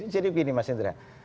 jadi begini mas indra